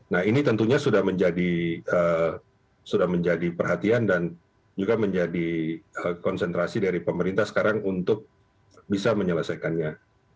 nah ini tentunya sudah menjadi perhatian dan juga menjadi konsentrasi dari pemerintah sekarang untuk bisa menyelesaikannya